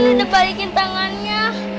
ayah aku udah balikin tangannya